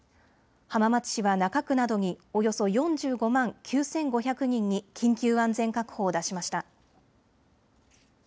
浜松市は中区などにおよそ４５万９５００人に緊急安全確保を出しました。